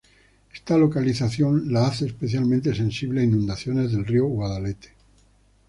Esta localización la hace especialmente sensible a inundaciones del río Guadalete.